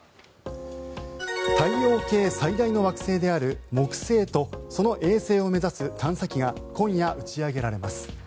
太陽系最大の惑星である木星とその衛星を目指す探査機が今夜、打ち上げられます。